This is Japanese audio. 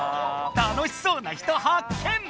楽しそうな人はっ見！